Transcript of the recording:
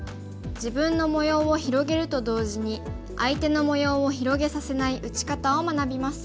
自分の模様を広げると同時に相手の模様を広げさせない打ち方を学びます。